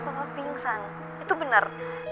bapak pingsan itu benar